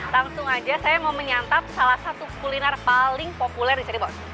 langsung aja saya mau menyantap salah satu kuliner paling populer di cirebon